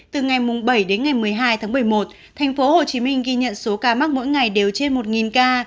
mùng bảy đến ngày một mươi hai tháng bảy mươi một tp hcm ghi nhận số ca mắc mỗi ngày đều trên một ca